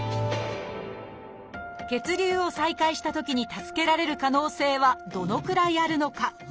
血流を再開したときに助けられる可能性はどのくらいあるのか。